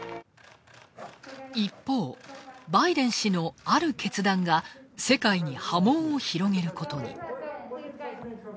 一方、バイデン氏のある決断が世界に波紋を広げることに。